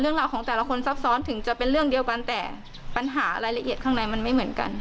เรื่องราวของแต่ละคนซับซ้อนถึงจะเป็นเรื่องเดียวกันแต่ปัญหารายละเอียดข้างในมันไม่เหมือนกัน